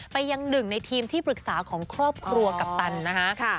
ไปยังหนึ่งในทีมที่ปรึกษาของครอบครัวกัปตันนะคะ